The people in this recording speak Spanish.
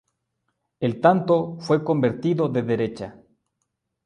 El tanto fue convertido de derecha.